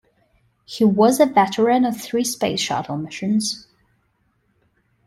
He was a veteran of three space shuttle missions.